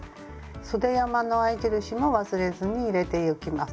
そで山の合印も忘れずに入れてゆきます。